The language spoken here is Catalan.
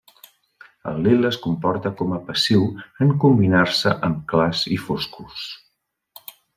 El lila es comporta com a passiu en combinar-se amb clars i foscos.